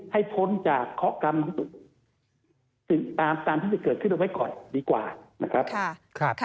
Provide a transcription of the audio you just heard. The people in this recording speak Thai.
ให้ท้นจากเคาะกรรมตามที่จะเกิดขึ้นไว้ก่อนดีกว่านะครับ